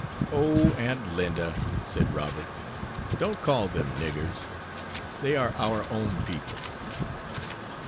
"Oh, Aunt Linda," said Robert, "don't call them niggers. They are our own people."